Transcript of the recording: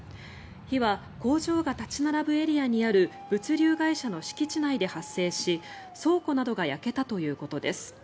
火は工場が立ち並ぶエリアにある物流会社の敷地内で発生し倉庫などが焼けたということです。